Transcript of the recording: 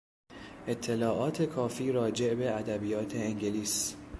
اطلاعات کافی راجع به ادبیات انگلیس